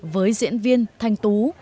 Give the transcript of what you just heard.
với diễn viên thanh tú